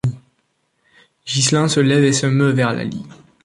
Ghislain se lève et se meut vers Laly.